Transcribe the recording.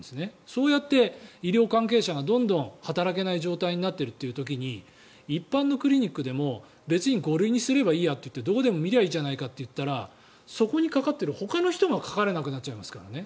そうやって医療関係者がどんどん働けない状態になっているという時に一般のクリニックでも別に５類にすればいいやってどこでも診ればいいじゃないかと言ったらそこにかかっているほかの人がかかれなくなっちゃいますからね。